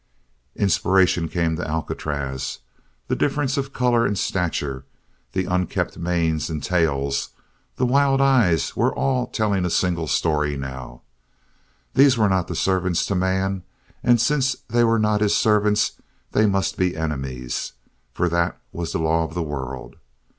Inspiration came to Alcatraz. The difference of color and stature, the unkempt manes and tails, the wild eyes, were all telling a single story, now. These were not servants to man, and since they were not his servants they must be enemies, for that was the law of the world.